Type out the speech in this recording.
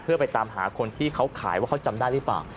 เพื่อไปตามหาคนที่เขาขายว่าเขาจำได้หรือเปล่า